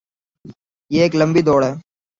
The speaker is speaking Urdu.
یہ ایک لمبی دوڑ ہے۔